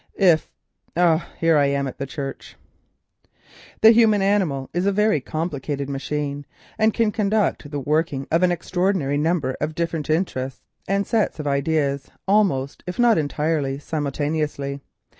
If——Ah! here I am at the church." The human animal is a very complicated machine, and can conduct the working of an extraordinary number of different interests and sets of ideas, almost, if not entirely, simultaneously.